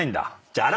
じゃあ。